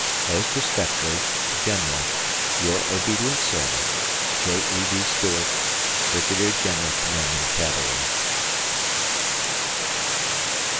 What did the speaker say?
Most respectfully, General, Your obedient servant, J. E. B. Stuart, Brigadier General Commanding Cavalry.